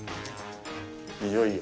いよいよ。